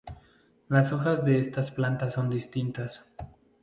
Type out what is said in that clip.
Las hojas de estas plantas son dísticas.